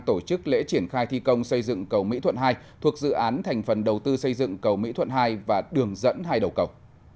tổ chức lễ triển khai thi công xây dựng cầu mỹ thuận hai thuộc dự án thành phần đầu tư xây dựng cầu mỹ thuận hai và đường dẫn hai đầu cầu